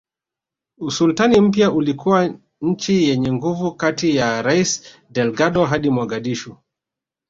Usultani mpya ulikuwa nchi yenye nguvu kati ya Rasi Delgado hadi Mogadishu